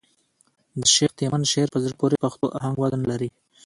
د شېخ تیمن شعر په زړه پوري پښتو آهنګ وزن لري.